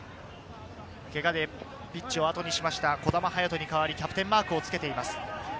けがでピッチをあとにした児玉勇翔に代わりキャプテンマークをつけています。